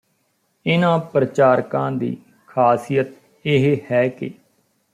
ਇਨ੍ਹਾਂ ਪ੍ਰਚਾਰਕਾਂ ਦੀ ਖ਼ਾਸੀਅਤ ਇਹ ਹੈ ਕਿ